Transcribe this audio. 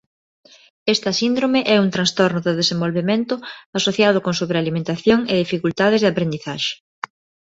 Esta síndrome é un trastorno do desenvolvemento asociado con sobrealimentación e dificultades de aprendizaxe.